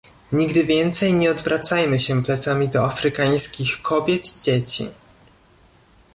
Nigdy więcej nie odwracajmy się plecami do afrykańskich kobiet i dzieci